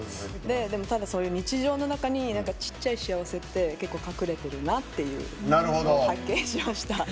でも、ただそういう日常の中にちっちゃい幸せって結構隠れてるなっていうのを発見しました。